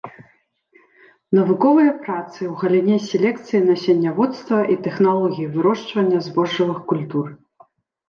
Навуковыя працы ў галіне селекцыі насенняводства і тэхналогіі вырошчвання збожжавых культур.